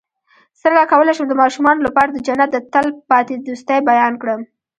څنګه کولی شم د ماشومانو لپاره د جنت د تل پاتې دوستۍ بیان کړم